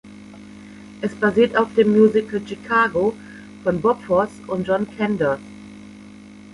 Es basiert auf dem Musical "Chicago" von Bob Fosse und John Kander.